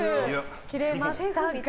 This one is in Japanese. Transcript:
切れましたが。